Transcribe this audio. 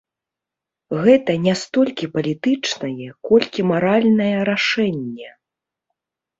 Гэта не столькі палітычнае, колькі маральнае рашэнне.